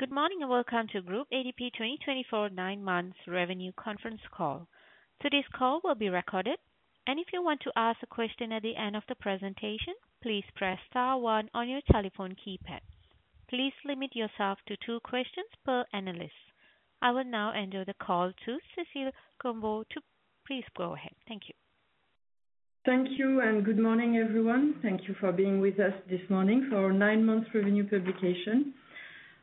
Good morning, and welcome to Groupe ADP 2024 nine months revenue conference call. Today's call will be recorded, and if you want to ask a question at the end of the presentation, please press star one on your telephone keypad. Please limit yourself to two questions per analyst. I will now hand over the call to Cécile Combeau to -- please go ahead. Thank you. Thank you, and good morning, everyone. Thank you for being with us this morning for our nine-month revenue publication.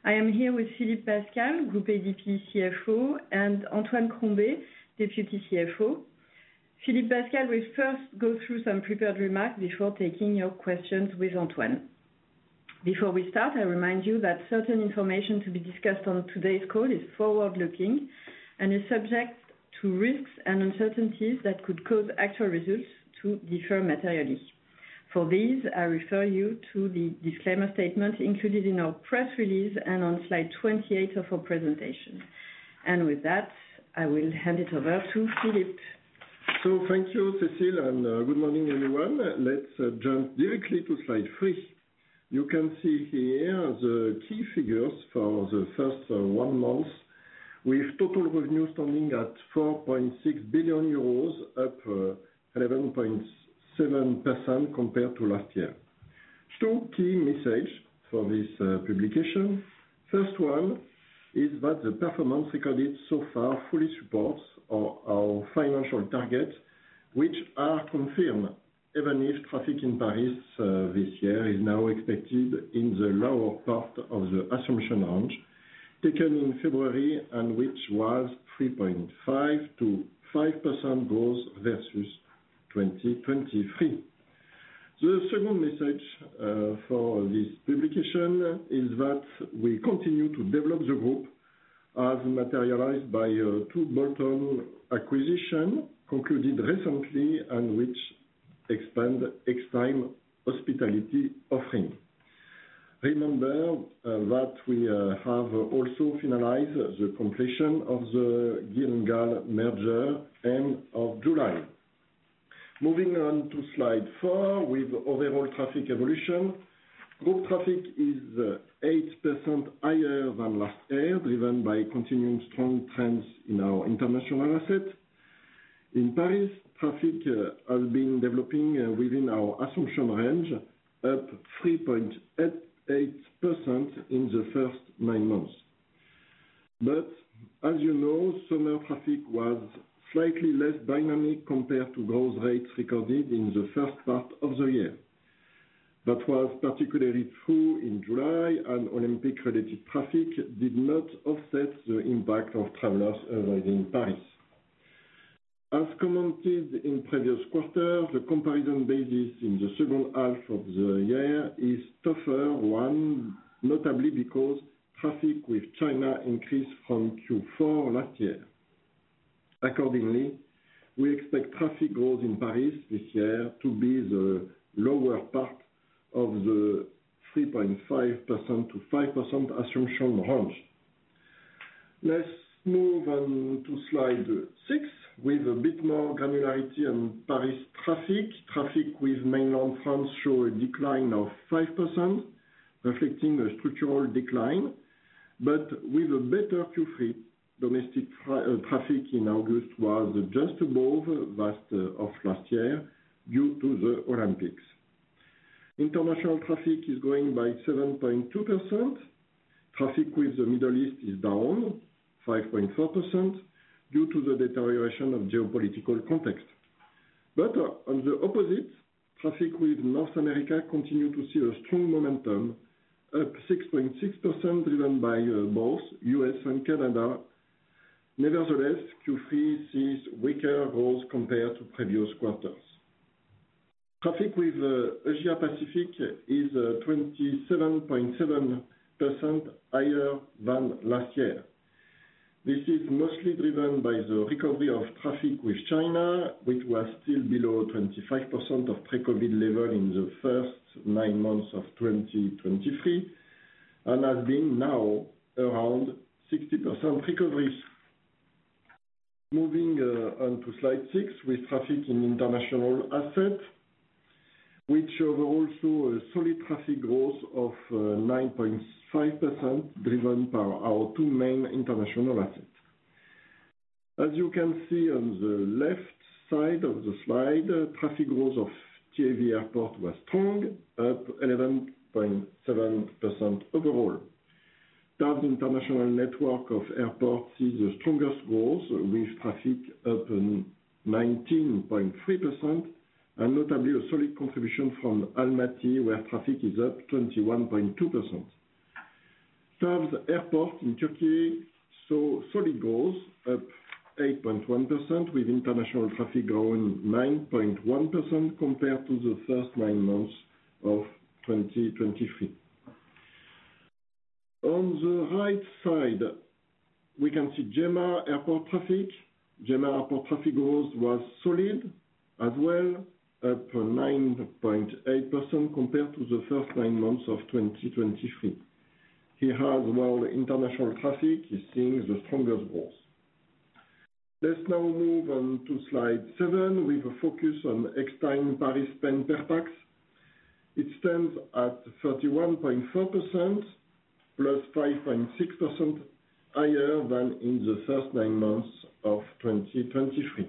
I am here with Philippe Pascal, Groupe ADP CFO, and Antoine Crombez, Deputy CFO. Philippe Pascal will first go through some prepared remarks before taking your questions with Antoine. Before we start, I remind you that certain information to be discussed on today's call is forward-looking and is subject to risks and uncertainties that could cause actual results to differ materially. For these, I refer you to the disclaimer statement included in our press release and on Slide 28 of our presentation. With that, I will hand it over to Philippe. So thank you, Cécile, and good morning, everyone. Let's jump directly to Slide 3. You can see here the key figures for the first one month, with total revenue standing at 4.6 billion euros, up 11.7% compared to last year. Two key message for this publication. First one is that the performance recorded so far fully supports our financial targets, which are confirmed, even if traffic in Paris this year is now expected in the lower part of the assumption range, taken in February, and which was 3.5%-5% growth versus 2023. The second message for this publication is that we continue to develop the group, as materialized by two bolt-on acquisition concluded recently and which expand Extime hospitality offering. Remember that we have also finalized the completion of the GIL and GAL merger end of July. Moving on to Slide 4, with overall traffic evolution. Group traffic is 8% higher than last year, driven by continuing strong trends in our international assets. In Paris, traffic has been developing within our assumption range, up 3.88% in the first nine months. But as you know, summer traffic was slightly less dynamic compared to growth rates recorded in the first part of the year. That was particularly true in July, and Olympic-related traffic did not offset the impact of travelers arriving in Paris. As commented in previous quarters, the comparison basis in the second half of the year is tougher, notably because traffic with China increased from Q4 last year. Accordingly, we expect traffic growth in Paris this year to be the lower part of the 3.5%-5% assumption range. Let's move on to Slide 6, with a bit more granularity on Paris traffic. Traffic with mainland France show a decline of 5%, reflecting a structural decline, but with a better Q3. Domestic traffic in August was just above that of last year due to the Olympics. International traffic is growing by 7.2%. Traffic with the Middle East is down 5.4% due to the deterioration of geopolitical context. But on the opposite, traffic with North America continue to see a strong momentum, up 6.6%, driven by both U.S. and Canada. Nevertheless, Q3 sees weaker growth compared to previous quarters. Traffic with Asia Pacific is 27.7% higher than last year. This is mostly driven by the recovery of traffic with China, which was still below 25% of pre-COVID level in the first nine months of 2023, and has been now around 60% recoveries. Moving on to Slide 6, with traffic in international assets, which are also a solid traffic growth of 9.5%, driven by our two main international assets. As you can see on the left side of the slide, traffic growth of TAV Airports was strong, up 11.7% overall. That international network of airports is the strongest growth, with traffic up 19.3%, and notably a solid contribution from Almaty, where traffic is up 21.2%. Third, airport in Turkey saw solid growth, up 8.1%, with international traffic growing 9.1% compared to the first nine months of 2023. On the right side, we can see GMR Airports traffic. GMR Airports traffic growth was solid as well, up to 9.8% compared to the first nine months of 2023. Here as well, international traffic is seeing the strongest growth. Let's now move on to Slide 7, with a focus on Extime Paris spend per pax. It stands at 31.4%, +5.6% higher than in the first nine months of 2023.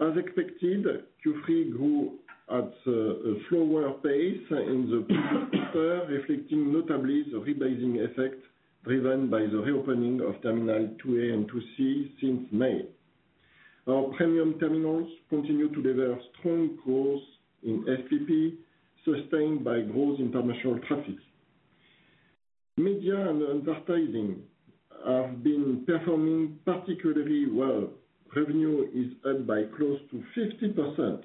As expected, Q3 grew at a slower pace in the quarter, reflecting notably the rebasing effect driven by the reopening of Terminal 2A and 2C since May. Our premium terminals continue to deliver strong growth in SPP, sustained by growth in international traffic. Media and advertising have been performing particularly well. Revenue is up by close to 50%.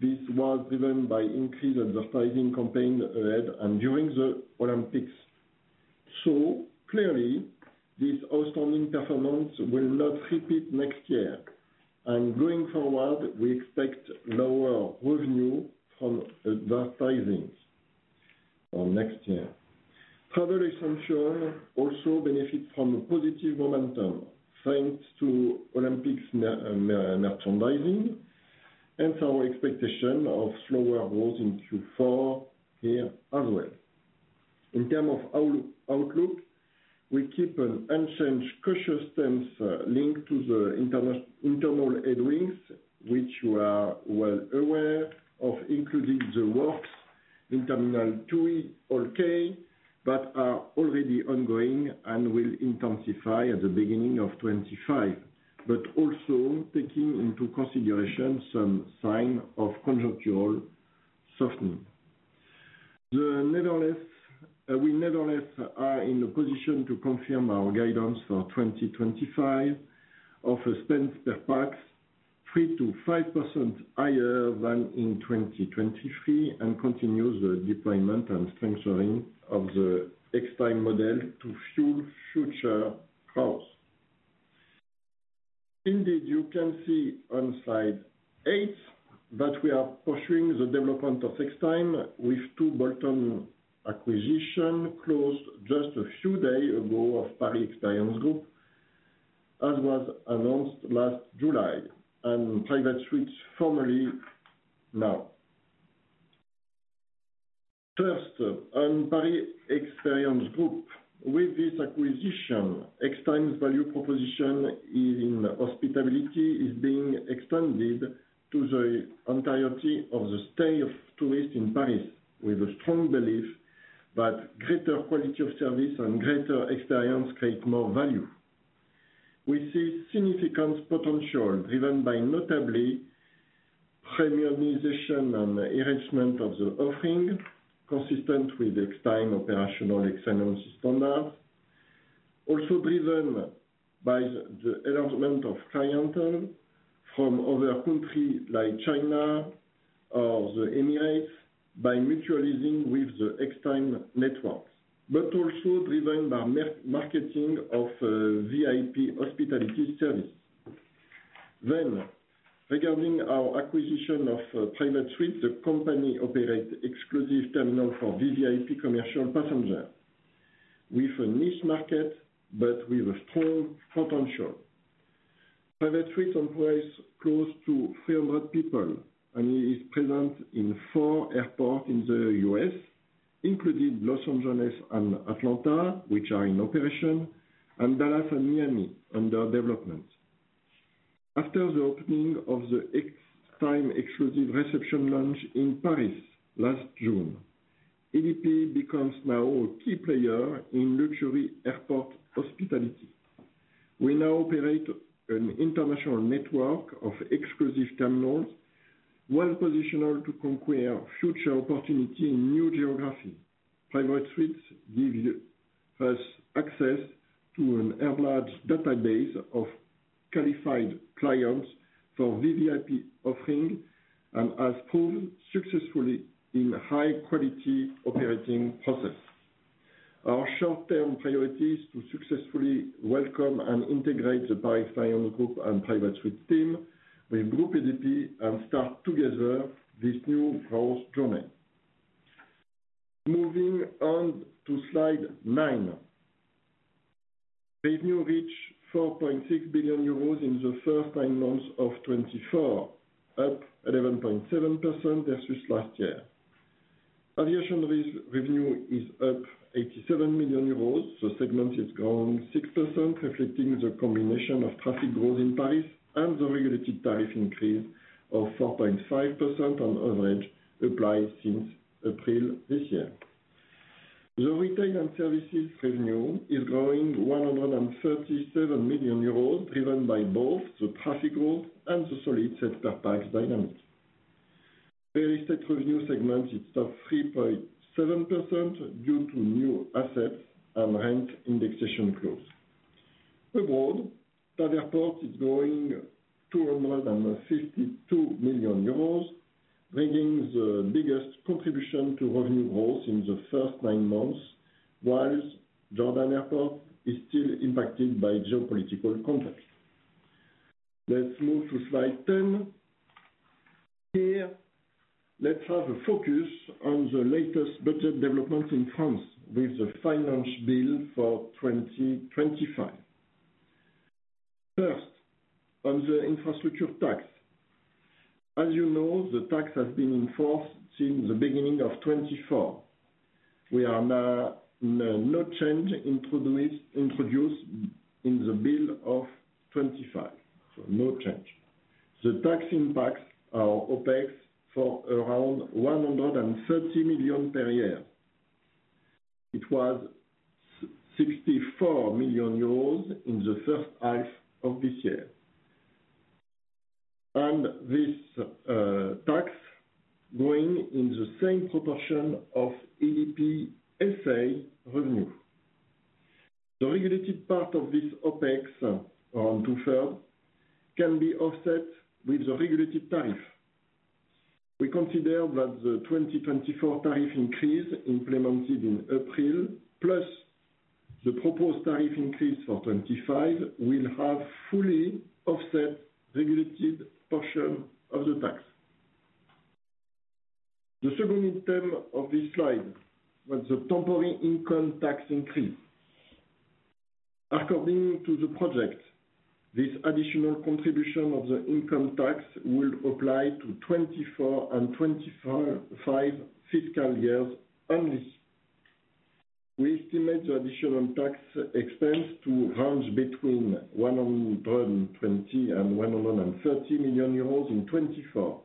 This was driven by increased advertising campaign ahead and during the Olympics. So clearly, this outstanding performance will not repeat next year, and going forward, we expect lower revenue from advertising for next year. Travel essentials also benefit from positive momentum, thanks to Olympics merchandising, hence our expectation of slower growth in Q4 here as well. In terms of outlook, we keep an unchanged cautious stance, linked to the internal headwinds, which you are well aware of, including the works in Terminal [2 or 3], but are already ongoing and will intensify at the beginning of 2025. But also taking into consideration some sign of conjuncture softening. Nevertheless, we nevertheless are in a position to confirm our guidance for 2025 of a spend per pax 3%-5% higher than in 2023, and continue the deployment and strengthening of the Extime model to fuel future growth. Indeed, you can see on Slide 8 that we are pursuing the development of Extime with two important acquisitions closed just a few days ago of Paris Experience Group, as was announced last July, and Private Suite for now. First, on Paris Experience Group. With this acquisition, Extime's value proposition in hospitality is being extended to the entirety of the stay of tourists in Paris, with a strong belief that greater quality of service and greater experience create more value. We see significant potential, driven by notably premiumization and enhancement of the offering, consistent with Extime operational excellence standards. Also driven by the enhancement of clientele from other countries like China or the Emirates, by mutualizing with the Extime networks, but also driven by marketing of VIP hospitality service. Then, regarding our acquisition of Private Suite, the company operates exclusive terminal for VVIP commercial passenger, with a niche market but with a strong potential. Private Suite employs close to 300 people and is present in four airports in the U.S., including Los Angeles and Atlanta, which are in operation, and Dallas and Miami under development. After the opening of the Extime Exclusive reception lounge in Paris last June, ADP becomes now a key player in luxury airport hospitality. We now operate an international network of exclusive terminals, well-positioned to conquer future opportunity in new geography. Private Suite give us access to a large database of qualified clients for VVIP offering, and has proven successfully in high-quality operating process. Our short-term priority is to successfully welcome and integrate the Paris Experience Group and Private Suite team with Groupe ADP and start together this new growth journey. Moving on to Slide 9. Revenue reached 4.6 billion euros in the first nine months of 2024, up 11.7% versus last year. Aviation revenue is up 87 million euros. The segment is growing 6%, reflecting the combination of traffic growth in Paris and the regulated tariff increase of 4.5% on average, applied since April this year. The retail and services revenue is growing 137 million euros, driven by both the traffic growth and the solid sales per pax dynamic. Real estate revenue segment is up 3.7% due to new assets and rent indexation clause. Abroad, Paris Aéroport is growing 252 million euros, making the biggest contribution to revenue growth in the first nine months, while Jordan Airport is still impacted by geopolitical context. Let's move to Slide 10. Here, let's have a focus on the latest budget development in France with the Finance Bill for 2025. First, on the infrastructure tax. As you know, the tax has been in force since the beginning of 2024. We are now, no change introduced in the bill of 2025, so no change. The tax impacts our OpEx for around 130 million per year. It was 64 million euros in the first half of this year. And this tax going in the same proportion of ADP SA revenue. The regulated part of this OpEx, around two-thirds, can be offset with the regulated tariff. We consider that the 2024 tariff increase implemented in April, plus the proposed tariff increase for 2025, will have fully offset regulated portion of the tax. The second item of this slide was the temporary income tax increase. According to the project, this additional contribution of the income tax will apply to 2024 and 2025 fiscal years only. We estimate the additional tax expense to range between 120 million and 130 million euros in 2024,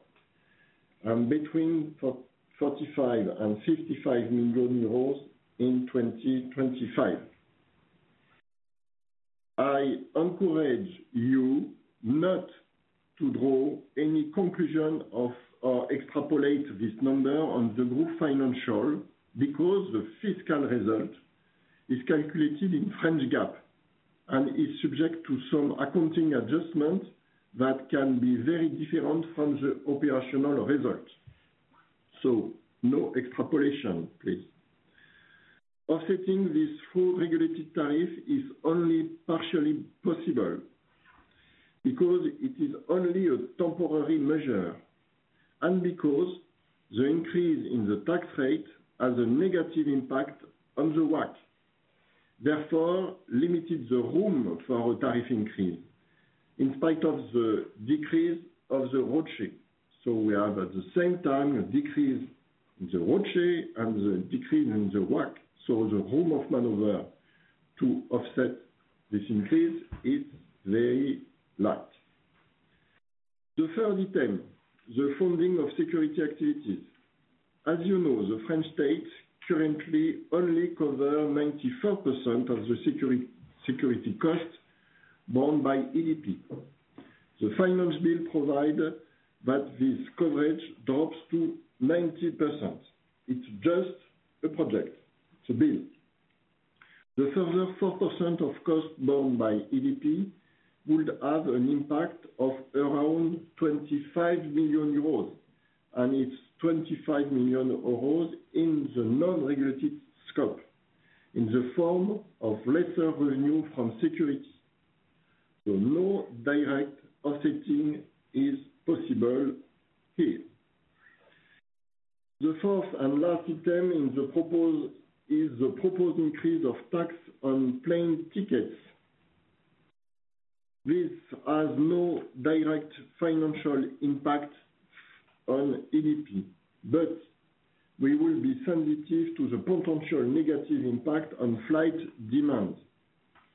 and between 45 million and 55 million euros in 2025. I encourage you not to draw any conclusion of or extrapolate this number on the group financial, because the fiscal result is calculated in French GAAP, and is subject to some accounting adjustments that can be very different from the operational results. So no extrapolation, please. Offsetting this full regulated tariff is only partially possible, because it is only a temporary measure, and because the increase in the tax rate has a negative impact on the WACC, therefore, limited the room for a tariff increase, in spite of the decrease of the ROCE. So we have, at the same time, a decrease in the ROCE and the decrease in the WACC, so the room of maneuver to offset this increase is very light. The third item, the funding of security activities. As you know, the French state currently only cover 94% of the security, security costs borne by ADP. The Finance Bill provide that this coverage drops to 90%. It's just a project, it's a bill. The further 4% of cost borne by ADP would have an impact of around 25 million euros, and it's 25 million euros in the non-regulated scope, in the form of lesser revenue from security. So no direct offsetting is possible here. The fourth and last item in the proposal is the proposed increase of tax on plane tickets. This has no direct financial impact on ADP, but we will be sensitive to the potential negative impact on flight demand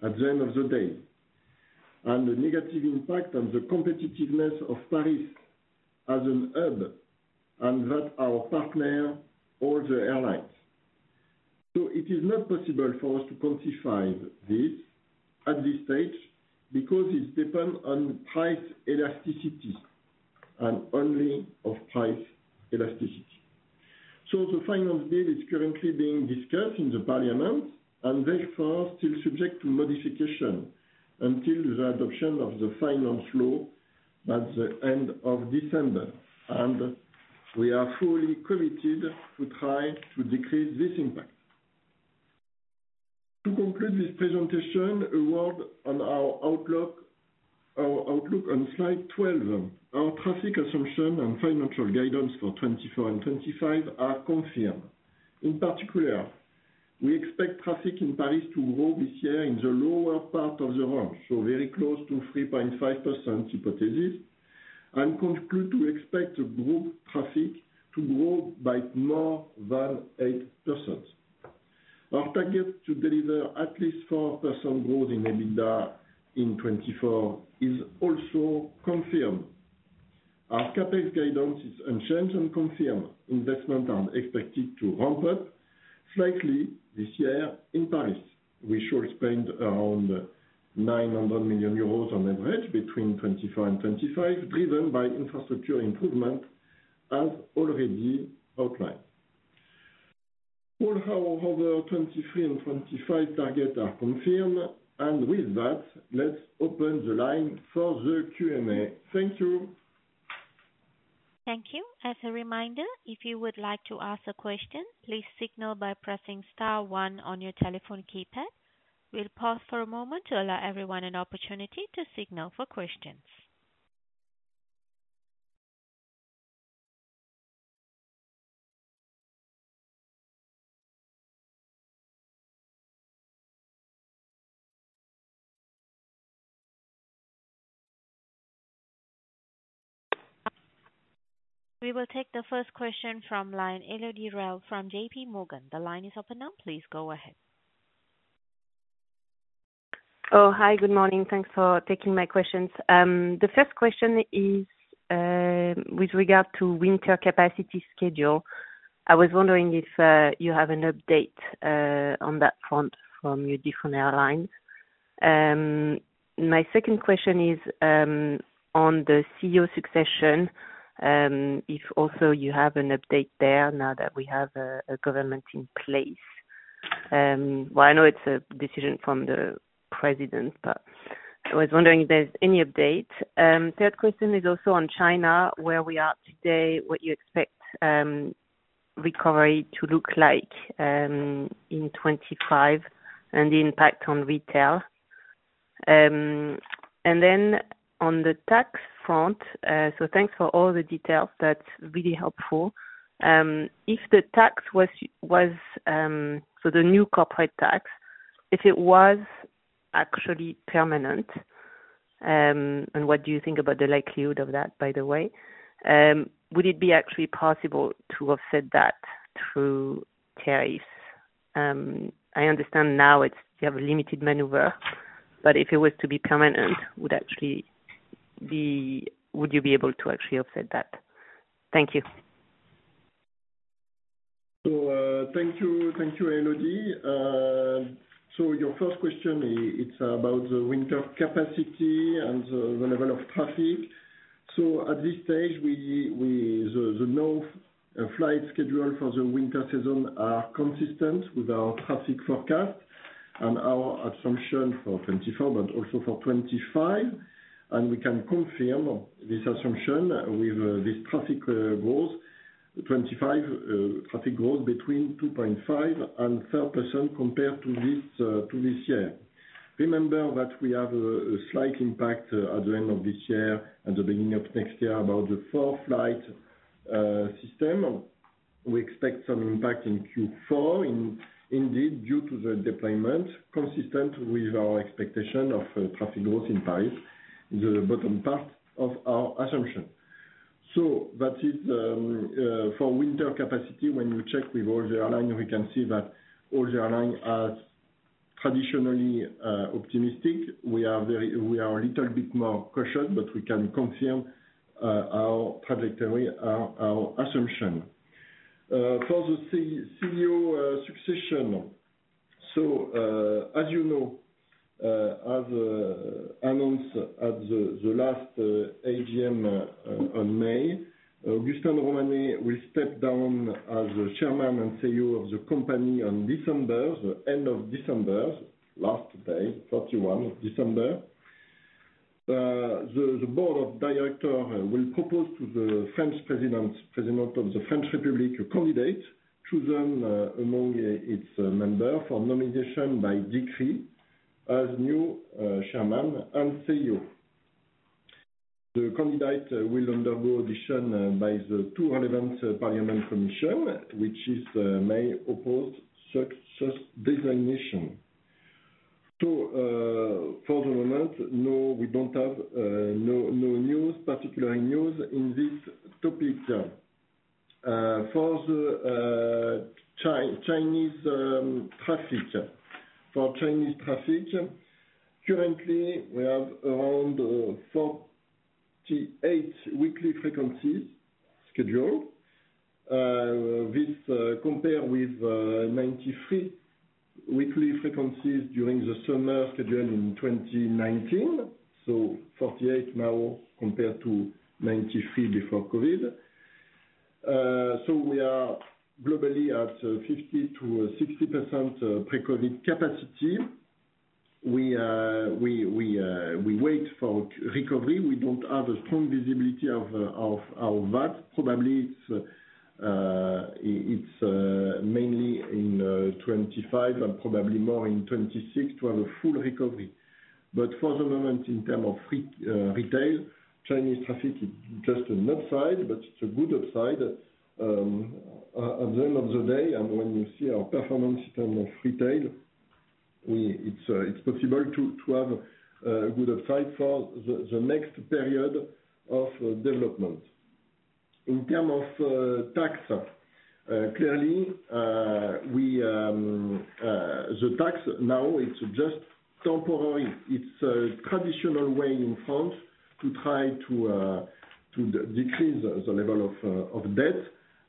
at the end of the day, and the negative impact on the competitiveness of Paris as a hub, and that our partner or the airlines. So it is not possible for us to quantify this at this stage, because it depends on price elasticity, and only of price elasticity. The Finance Bill is currently being discussed in the Parliament, and therefore, still subject to modification until the adoption of the Finance Law at the end of December, and we are fully committed to try to decrease this impact. To conclude this presentation, a word on our outlook. Our outlook on Slide 12. Our traffic assumption and financial guidance for 2024 and 2025 are confirmed. In particular, we expect traffic in Paris to grow this year in the lower part of the range, so very close to 3.5% hypothesis, and conclude to expect the group traffic to grow by more than 8%. Our target to deliver at least 4% growth in EBITDA in 2024 is also confirmed. Our CapEx guidance is unchanged and confirmed. Investment are expected to ramp up slightly this year in Paris. We should spend around 900 million euros on average between 2024 and 2025, driven by infrastructure improvement, as already outlined. All our other 2023 and 2025 targets are confirmed, and with that, let's open the line for the Q&A. Thank you. Thank you. As a reminder, if you would like to ask a question, please signal by pressing star one on your telephone keypad. We'll pause for a moment to allow everyone an opportunity to signal for questions. We will take the first question from line, Elodie Rall from JPMorgan. The line is open now, please go ahead. Oh, hi, good morning. Thanks for taking my questions. The first question is with regard to winter capacity schedule. I was wondering if you have an update on that front from your different airlines? My second question is on the CEO succession, if also you have an update there now that we have a government in place. Well, I know it's a decision from the President, but I was wondering if there's any update. Third question is also on China, where we are today, what you expect recovery to look like in 2025, and the impact on retail, and then on the tax front, so thanks for all the details, that's really helpful. If the tax was so the new corporate tax, if it was actually permanent? And what do you think about the likelihood of that, by the way? Would it be actually possible to offset that through tariffs? I understand now, it's you have a limited maneuver, but if it was to be permanent, would you be able to actually offset that? Thank you. Thank you. Thank you, Elodie. Your first question is about the winter capacity and the level of traffic. At this stage, the new flight schedule for the winter season is consistent with our traffic forecast and our assumption for 2024, but also for 2025. We can confirm this assumption with this traffic growth, 2025 traffic growth between 2.5% and 3% compared to this year. Remember that we have a slight impact at the end of this year and the beginning of next year about the new flight system. We expect some impact in Q4, indeed, due to the deployment, consistent with our expectation of traffic growth in Paris, the bottom part of our assumption. So that is for winter capacity, when we check with all the airlines, we can see that all the airlines are traditionally optimistic. We are a little bit more cautious, but we can confirm our trajectory, our assumption. For the CEO succession. As you know, as announced at the last AGM on May, Augustin de Romanet will step down as the Chairman and CEO of the company on December, the end of December, last day, thirty-one of December. The Board of Directors will propose to the French President, President of the French Republic, a candidate chosen among its members for nomination by decree as new Chairman and CEO. The candidate will undergo audition by the two relevant Parliament commission, which is may oppose such designation. So, for the moment, no, we don't have no news, particular news in this topic. For the Chinese traffic. For Chinese traffic, currently, we have around 48 weekly frequencies scheduled. This compare with 93 weekly frequencies during the summer schedule in 2019. So 48 now compared to 93 before COVID. So we are globally at 50-60% pre-COVID capacity. We wait for recovery. We don't have a strong visibility of that. Probably it's mainly in 2025 and probably more in 2026 to have a full recovery. But for the moment, in terms of retail, Chinese traffic is just an upside, but it's a good upside. At the end of the day, and when you see our performance in terms of retail, it's possible to have a good upside for the next period of development. In terms of tax, clearly, the tax now is just temporary. It's a traditional way in France to try to decrease the level of debt.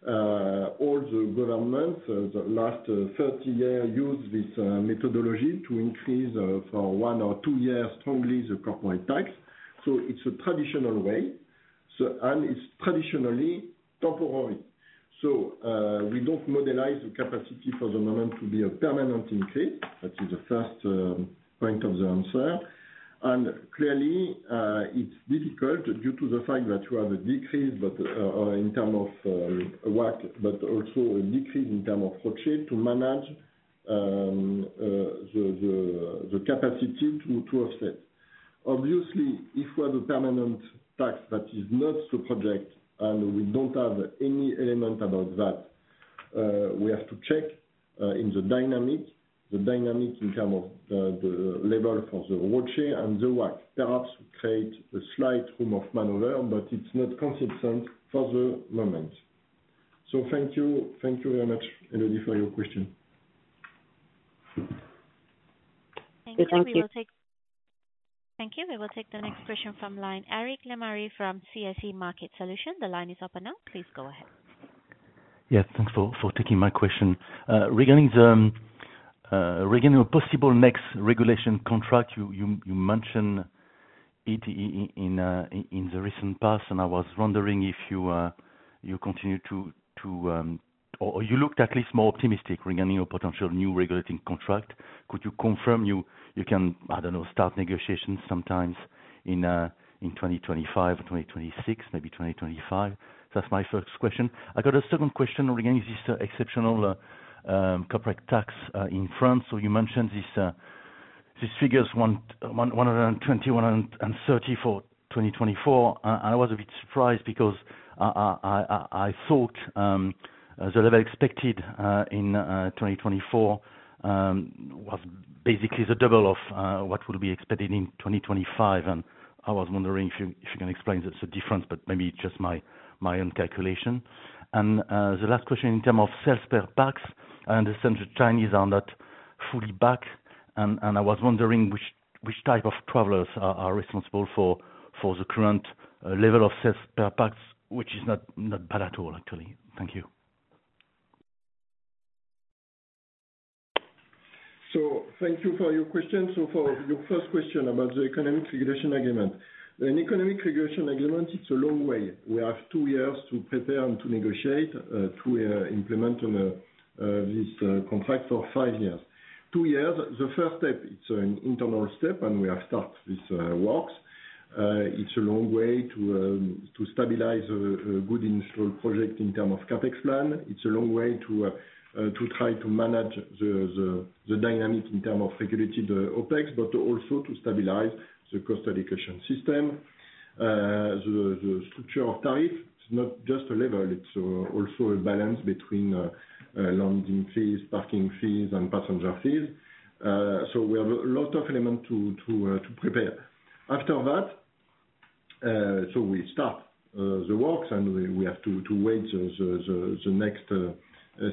All the governments, the last 30 years, use this methodology to increase, for one or two years, strongly the corporate tax. So it's a traditional way, and it's traditionally temporary. So we don't model the capacity for the moment to be a permanent increase. That is the first. point of the answer. And clearly, it's difficult due to the fact that you have a decrease, but in terms of WACC, but also a decrease in terms of EBITDA to manage the capacity to offset. Obviously, if we have a permanent tax that is not so projected, and we don't have any element about that, we have to check in the dynamic in terms of the level of the EBITDA and the WACC. Perhaps create a slight room for maneuver, but it's not consistent for the moment. So thank you. Thank you very much, Elodie, for your question. Thank you. Thank you. We will take the next question from line, Eric Lemarié from CIC Market Solutions. The line is open now, please go ahead. Yeah, thanks for taking my question. Regarding a possible next regulation contract, you mentioned it in the recent past, and I was wondering if you continue to or you looked at least more optimistic regarding your potential new regulating contract. Could you confirm you can, I don't know, start negotiations sometimes in 2025 or 2026, maybe 2025? That's my first question. I got a second question regarding this exceptional corporate tax in France. So you mentioned these figures, 120, 134 for 2024. I was a bit surprised because I thought the level expected in 2024 was basically the double of what would be expected in 2025, and I was wondering if you can explain the difference, but maybe just my own calculation. The last question in terms of sales per pax, I understand the Chinese are not fully back, and I was wondering which type of travelers are responsible for the current level of sales per pax, which is not bad at all, actually. Thank you. So thank you for your question. So for your first question about the Economic Regulation Agreement. An Economic Regulation Agreement, it's a long way. We have two years to prepare and to negotiate to implement this contract for five years. Two years, the first step, it's an internal step, and we have start this works. It's a long way to stabilize a good initial project in term of CapEx plan. It's a long way to try to manage the dynamic in term of regulated OpEx, but also to stabilize the cost allocation system. The structure of tariff, it's not just a level, it's also a balance between landing fees, parking fees, and passenger fees. So we have a lot of element to prepare. After that, so we start the works, and we have to wait the next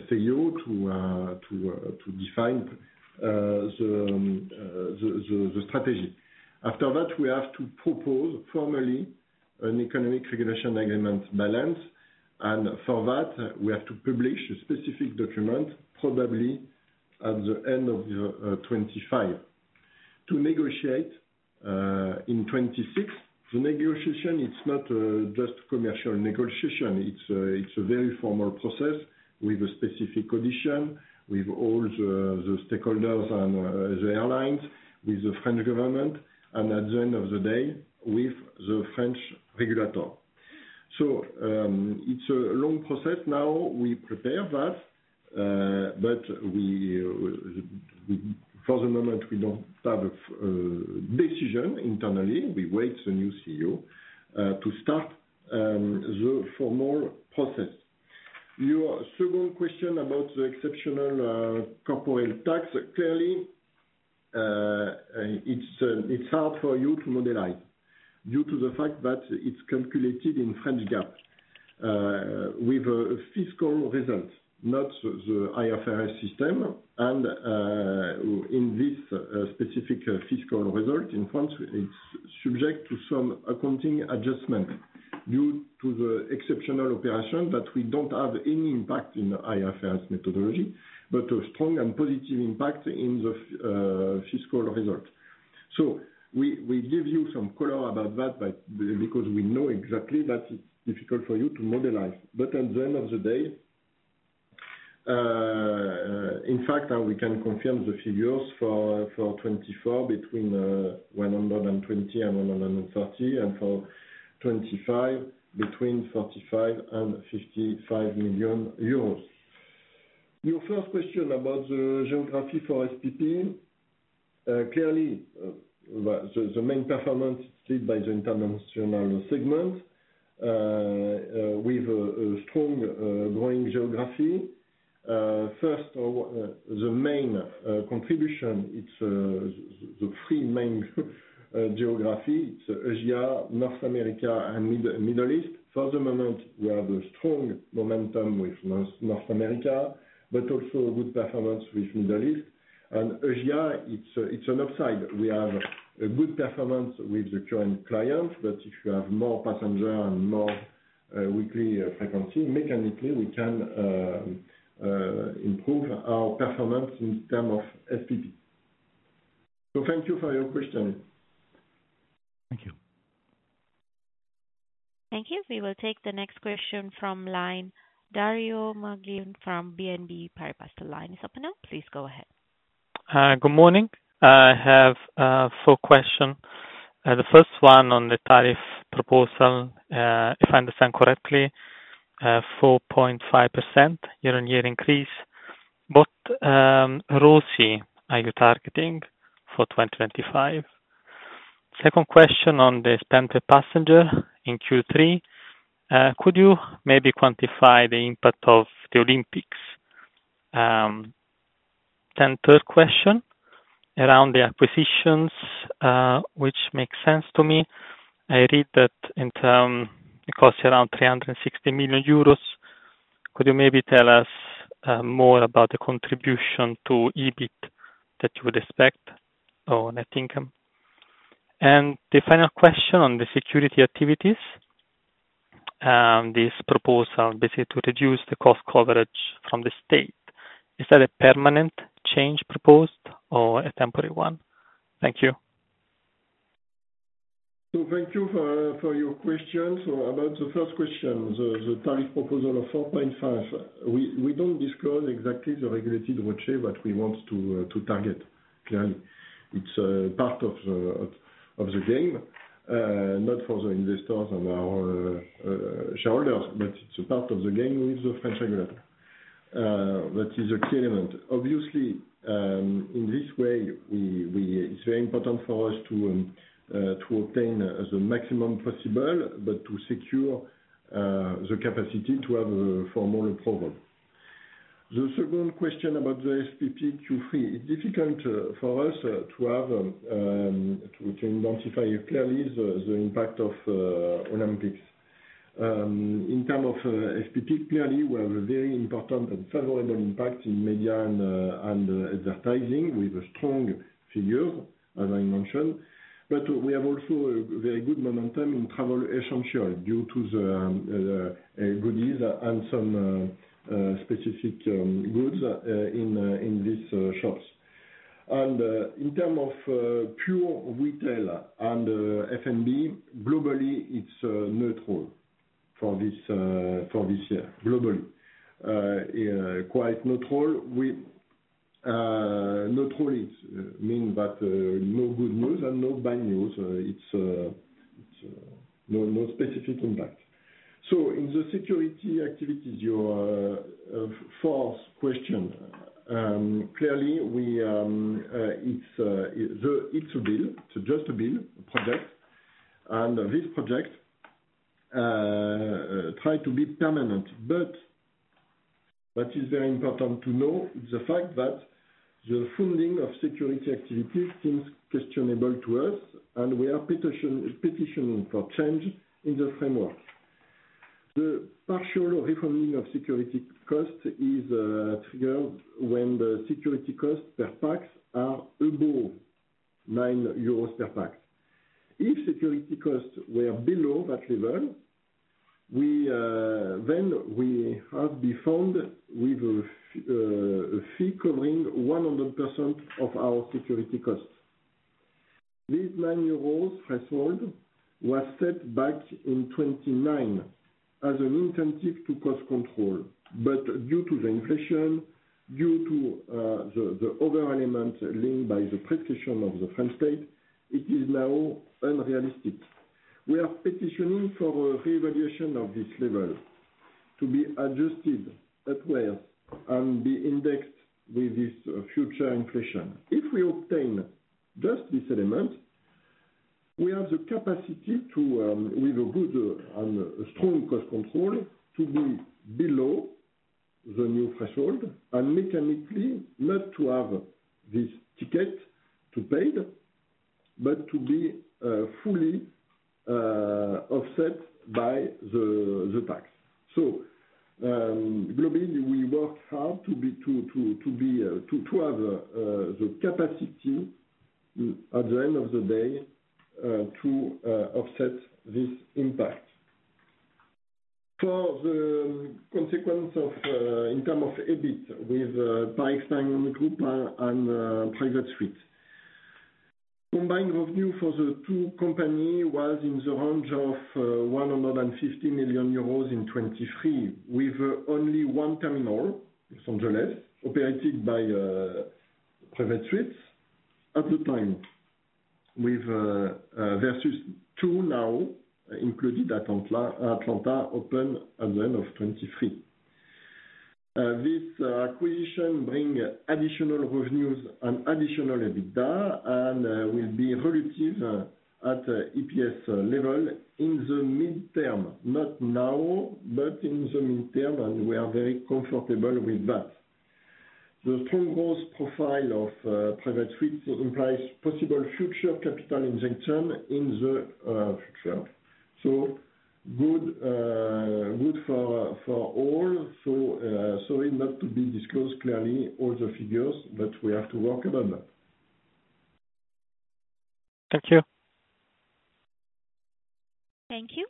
CEO to define the strategy. After that, we have to propose formally an economic regulation agreement balance, and for that, we have to publish a specific document, probably at the end of 2025. To negotiate in 2026, the negotiation, it's not just commercial negotiation. It's a very formal process with a specific condition, with all the stakeholders and the airlines, with the French government, and at the end of the day, with the French regulator. It's a long process. Now, we prepare that, but we... For the moment, we don't have a decision internally. We await the new CEO to start the formal process. Your second question about the exceptional corporate tax. Clearly, it's hard for you to model due to the fact that it's calculated in French GAAP with a fiscal result, not the IFRS system. In this specific fiscal result in France, it's subject to some accounting adjustment due to the exceptional operation, that we don't have any impact in IFRS methodology, but a strong and positive impact in the fiscal result. So we give you some color about that, but because we know exactly that it's difficult for you to model. But at the end of the day, in fact, we can confirm the figures for 2024 between 120 and 130, and for 2025, between 45 million and 55 million euros. Your first question about the geography for SPP, clearly, well, the main performance is led by the international segment, with a strong growing geography. First, the main contribution, it's the three main geography. It's Asia, North America, and Middle East. For the moment, we have a strong momentum with North America, but also a good performance with Middle East. And Asia, it's an upside. We have a good performance with the current clients, but if you have more passenger and more weekly frequency, mechanically, we can improve our performance in term of SPP. So thank you for your question. Thank you. Thank you. We will take the next question from line Dario Maglione from BNP Paribas. The line is open now. Please go ahead. Good morning. I have four questions. The first one on the tariff proposal. If I understand correctly, 4.5% year-on-year increase. What ROCE are you targeting for 2025? Second question on the spend per passenger in Q3, could you maybe quantify the impact of the Olympics? Then third question, around the acquisitions, which makes sense to me. I read that in term it costs around 360 million euros. Could you maybe tell us more about the contribution to EBIT that you would expect, or net income? And the final question on the security activities, this proposal basically to reduce the cost coverage from the state. Is that a permanent change proposed or a temporary one? Thank you. Thank you for your questions. About the first question, the tariff proposal of 4.5%. We don't disclose exactly the regulated ROCE, but we want to target clearly. It's part of the game, not for the investors and our shareholders, but it's a part of the game with the French government. That is a clear element. Obviously, in this way, it's very important for us to obtain the maximum possible, but to secure the capacity to have fewer problems. The second question about the SPP Q3. It's difficult for us to identify clearly the impact of Olympics. In terms of SPP, clearly, we have a very important and favorable impact in media and advertising with a strong figure, as I mentioned. But we have also a very good momentum in travel essentials, due to the goodies and some specific goods in these shops. In terms of pure retail and F&B, globally, it's neutral for this year. Globally, quite neutral. With neutral it mean that no good news and no bad news. It's no specific impact. So in the security activities, your fourth question. Clearly, it's a bill, it's just a bill, a project. And this project try to be permanent. What is very important to know, the fact that the funding of security activities seems questionable to us, and we are petitioning for change in the framework. The partial refunding of security costs is triggered when the security costs per pax are above 9 euros per pax. If security costs were below that level, then we have be funded with a fee covering 100% of our security costs. This 9 euros threshold was set back in 29 as an incentive to cost control. But due to the inflation, due to the other element linked by the practitioner of the French state, it is now unrealistic. We are petitioning for a reevaluation of this level to be adjusted upwards and be indexed with this future inflation. If we obtain just this element, we have the capacity to, with a good and a strong cost control, to be below the new threshold, and mechanically, not to have this ticket tax paid, but to be fully offset by the tax. So, globally, we work hard to have the capacity at the end of the day to offset this impact. For the consequence of in terms of EBIT with Paris Experience Group and Private Suite. Combined revenue for the two companies was in the range of 150 million euros in 2023, with only one terminal, Los Angeles, operated by Private Suite at the time, versus two now, including Atlanta, Atlanta opened at the end of 2023. This acquisition bring additional revenues and additional EBITDA, and will be relative at EPS level in the midterm. Not now, but in the midterm, and we are very comfortable with that. The strong growth profile of Private Suite implies possible future capital injection in the future. So good, good for all. So sorry, not to be disclosed, clearly, all the figures, but we have to work on that. Thank you. Thank you.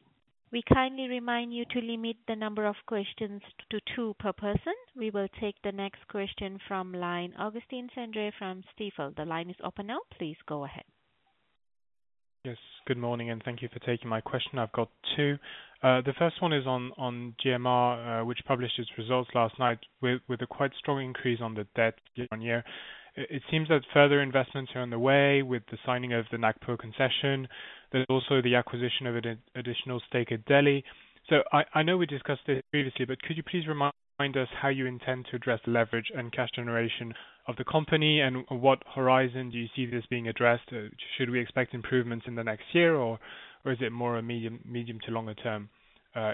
We kindly remind you to limit the number of questions to two per person. We will take the next question from line Augustin Cendre from Stifel. The line is open now. Please go ahead. Yes, good morning, and thank you for taking my question. I've got two. The first one is on GMR, which published its results last night with a quite strong increase on the debt year-on-year. It seems that further investments are on the way with the signing of the Nagpur concession. There's also the acquisition of an additional stake at Delhi. So I know we discussed this previously, but could you please remind us how you intend to address the leverage and cash generation of the company, and what horizon do you see this being addressed? Should we expect improvements in the next year, or is it more a medium to longer term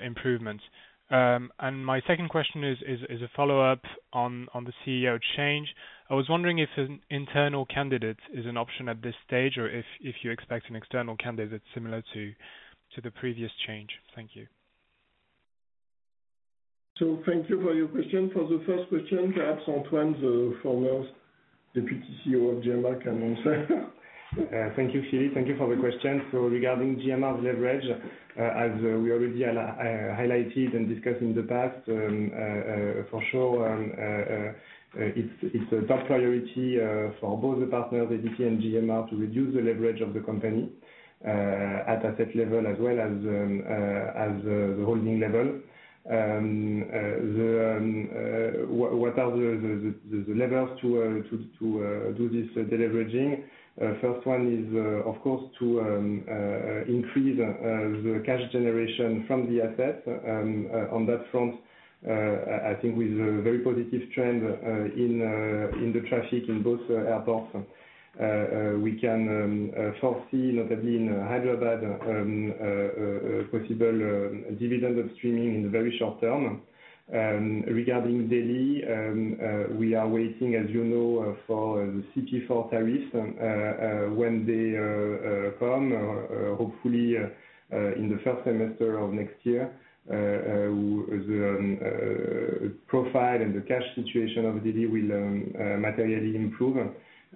improvements? And my second question is a follow-up on the CEO change. I was wondering if an internal candidate is an option at this stage, or if you expect an external candidate similar to the previous change? Thank you. So thank you for your question. For the first question, perhaps Antoine, the former Deputy CEO of GMR, can answer? Thank you, Philippe. Thank you for the question. So regarding GMR's leverage, as we already highlighted and discussed in the past, for sure, it's a top priority for both the partners, ADP and GMR, to reduce the leverage of the company at asset level as well as the holding level. What are the levers to do this de-leveraging? First one is, of course, to increase the cash generation from the assets. On that front, I think we have a very positive trend in the traffic in both airports. We can foresee, notably in Hyderabad, a possible dividend upstreaming in the very short term. Regarding Delhi, we are waiting, as you know, for the CP4 tariffs. When they come, hopefully, in the first semester of next year, the profile and the cash situation of Delhi will materially improve,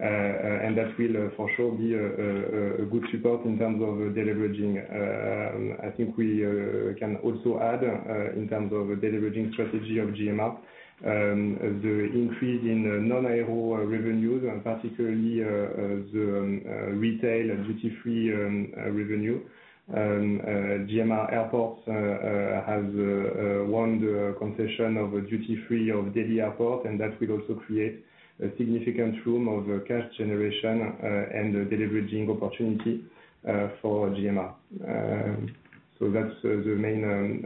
and that will, for sure, be a good support in terms of de-leveraging. I think we can also add, in terms of de-leveraging strategy of GMR, the increase in non-aero revenues, and particularly, the retail and Duty Free revenue. GMR Airports has won the concession of Duty Free of Delhi Airport, and that will also create a significant room of cash generation, and de-leveraging opportunity, for GMR. So that's the main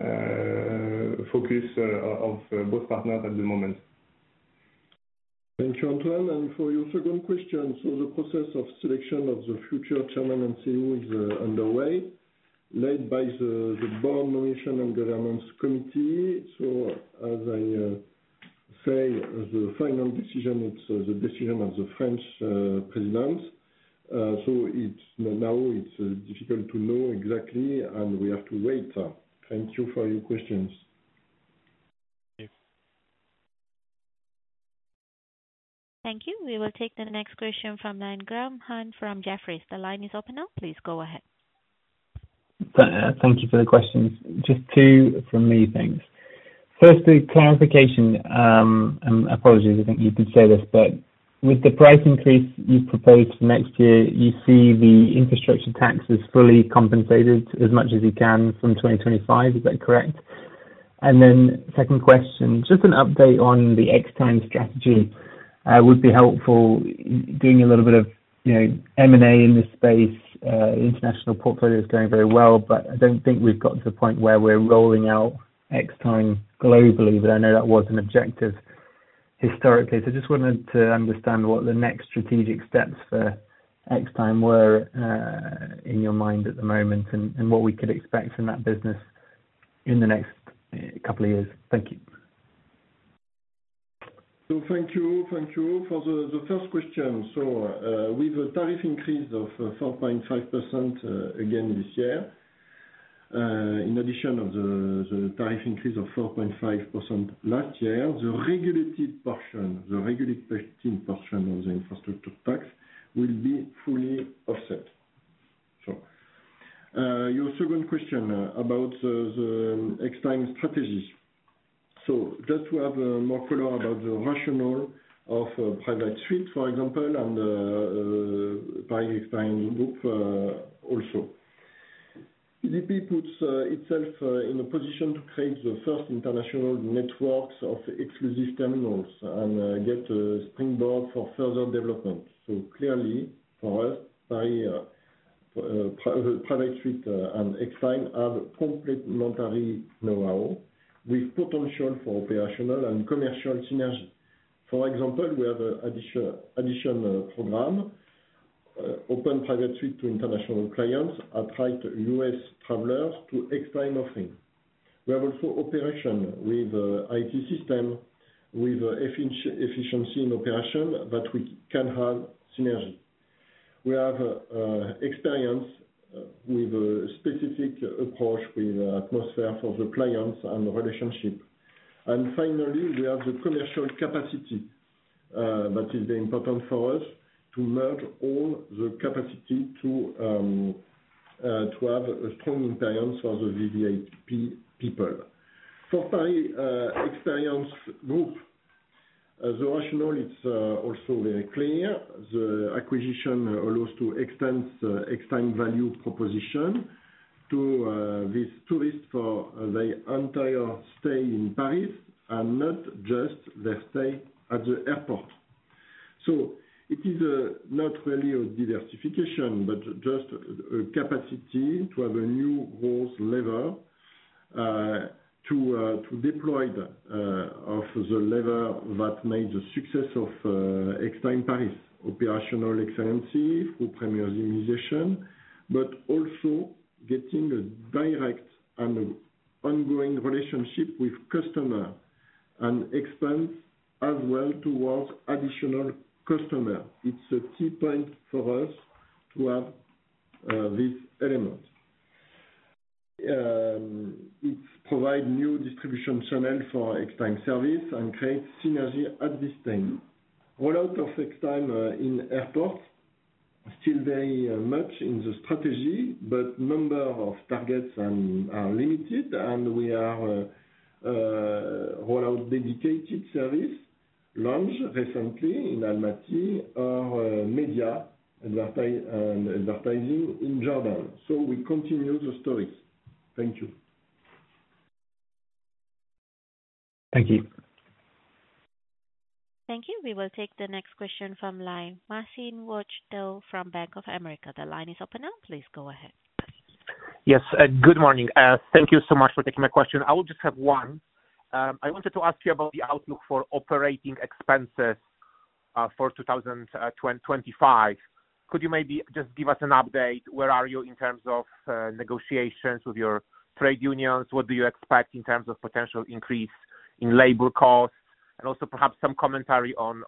focus of both partners at the moment. Thank you, Antoine. And for your second question, so the process of selection of the future chairman and CEO is underway, led by the Board Nomination and Governance Committee. So as I say, the final decision, it's the decision of the French President. So it's now difficult to know exactly, and we have to wait. Thank you for your questions. Thank you. Thank you. We will take the next question from line Graham Hunt from Jefferies. The line is open now, please go ahead. Thank you for the questions. Just two from me, thanks. Firstly, clarification, and apologies, I think you did say this, but with the price increase you've proposed next year, you see the infrastructure taxes fully compensated as much as you can from 2025. Is that correct? Then second question, just an update on the Extime strategy would be helpful. Doing a little bit of, you know, M&A in this space. International portfolio is doing very well, but I don't think we've got to the point where we're rolling out Extime globally, but I know that was an objective historically. So just wanted to understand what the next strategic steps for Extime were, in your mind at the moment, and what we could expect from that business in the next couple of years? Thank you. Thank you. For the first question, so with a tariff increase of 4.5% again this year, in addition of the tariff increase of 4.5% last year, the regulated portion of the infrastructure tax will be fully offset. So your second question about the Extime strategies. So just to have more clear about the rationale of Private Suite, for example, and for Extime Group also. ADP puts itself in a position to create the first international networks of exclusive terminals and get a springboard for further development. So clearly, for us, Private Suite and Extime are complementary now, with potential for operational and commercial synergy. For example, we have an addition program to open Private Suite to international clients, attract US travelers to Extime offering. We have also operation with IT system, with efficiency in operation that we can have synergy. We have experience with a specific approach, with atmosphere for the clients and relationship. And finally, we have the commercial capacity that is important for us to merge all the capacity to have a strong experience for the VVIP people. For Paris Experience Group, the rationale, it's also very clear. The acquisition allows to extend the value proposition to these tourists for their entire stay in Paris and not just their stay at the airport. So it is not really a diversification, but just a capacity to have a new growth level to deploy the level that made the success of Extime Paris operational excellence through premiumization, but also getting a direct and ongoing relationship with customer, and expand as well towards additional customer. It is a key point for us to have this element. It provides new distribution channel for Extime service and creates synergy at this time. Rollout of Extime in airport still very much in the strategy, but number of targets are limited, and we are roll out dedicated service launched recently in Almaty, our media advertising in Jordan. So we continue the stories. Thank you. Thank you. Thank you. We will take the next question from line. Marcin Wojtal from Bank of America. The line is open now, please go ahead. Yes, good morning. Thank you so much for taking my question. I will just have one. I wanted to ask you about the outlook for operating expenses for 2025. Could you maybe just give us an update, where are you in terms of negotiations with your trade unions? What do you expect in terms of potential increase in labor costs? And also perhaps some commentary on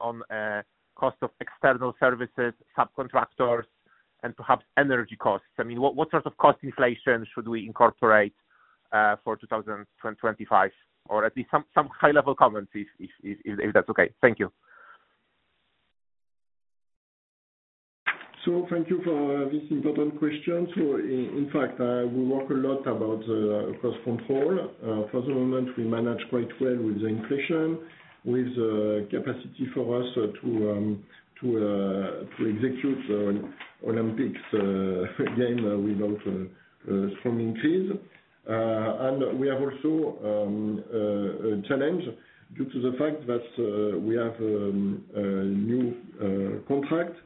cost of external services, subcontractors, and perhaps energy costs. I mean, what sort of cost inflation should we incorporate for 2025, or at least some high level comments, if that's okay? Thank you. Thank you for this important question. In fact, we work a lot about the cost control. For the moment, we manage quite well with the inflation, with the capacity for us to execute the Olympics game without some increase. And we have also a challenge due to the fact that we have a new contract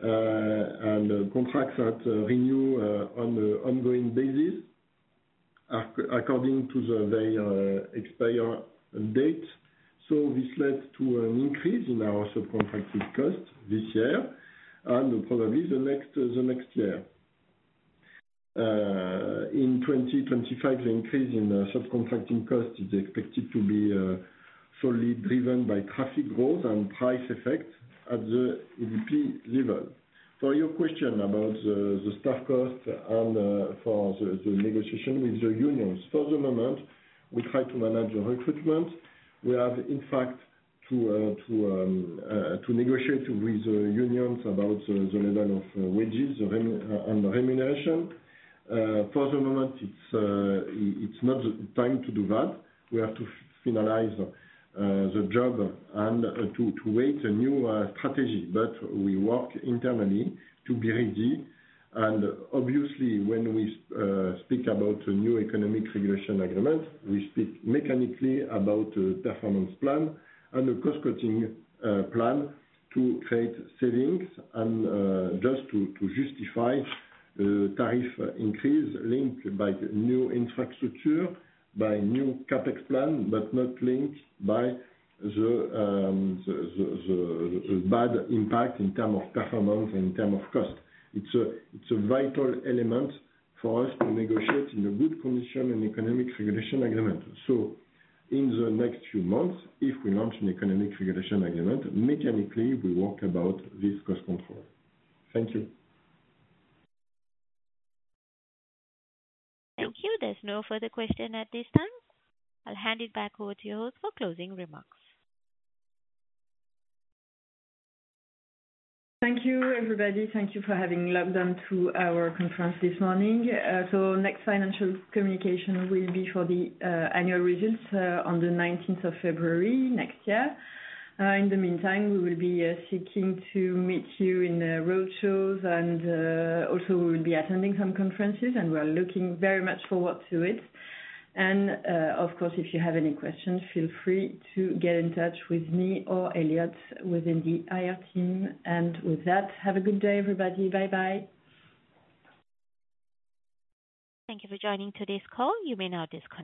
and contracts that renew on an ongoing basis according to the expiry date. This led to an increase in our subcontracting costs this year and probably the next year. In 2025, the increase in the subcontracting cost is expected to be solely driven by traffic growth and price effect at the ADP level. For your question about the staff cost and for the negotiation with the unions, for the moment, we try to manage the recruitment. We have, in fact, to negotiate with the unions about the level of wages and remuneration. For the moment, it's not the time to do that. We have to finalize the job and to wait a new strategy. But we work internally to be ready, and obviously, when we speak about a new economic regulation agreement, we speak mechanically about a performance plan and a cost cutting plan to create savings and just to justify tariff increase linked by new infrastructure, by new CapEx plan, but not linked by the bad impact in term of performance and in term of cost. It's a vital element for us to negotiate in a good condition an Economic Regulation Agreement. So in the next few months, if we launch an Economic Regulation Agreement, mechanically, we work about this cost control. Thank you. Thank you. There's no further question at this time. I'll hand it back over to you for closing remarks. Thank you, everybody. Thank you for having logged on to our conference this morning, so next financial communication will be for the annual results on the nineteenth of February next year. In the meantime, we will be seeking to meet you in roadshows, and also we'll be attending some conferences, and we are looking very much forward to it, and of course, if you have any questions, feel free to get in touch with me or Eliott within the IR team, and with that, have a good day, everybody. Bye-bye. Thank you for joining today's call. You may now disconnect.